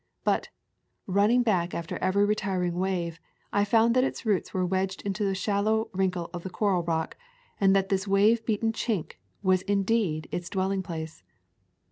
But, running back after every retiring wave, I found that its roots were wedged into a shallow wrinkle of the coral rock, and that this wave beaten chink was indeed its dwelling place.